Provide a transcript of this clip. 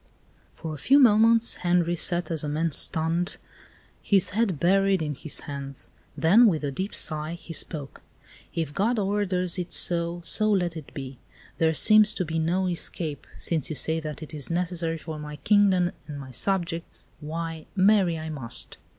For a few moments Henri sat as a man stunned, his head buried in his hands; then, with a deep sigh, he spoke: "If God orders it so, so let it be. There seems to be no escape; since you say that it is necessary for my kingdom and my subjects, why, marry I must."